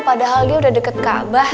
padahal dia udah dekat kaabah